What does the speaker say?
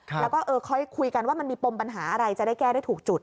แล้วก็ค่อยคุยกันว่ามันมีปมปัญหาอะไรจะได้แก้ได้ถูกจุด